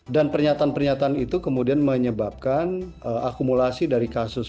dan pernyataan pernyataan itu kemudian menyebabkan akumulasi dari kasus